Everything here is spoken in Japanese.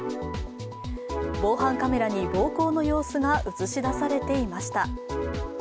防犯カメラに暴行の様子が映し出されていました。